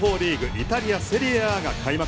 イタリア・セリエＡが開幕。